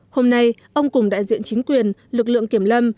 hôm nay ông cùng đại diện chính quyền lực lượng kiểm lâm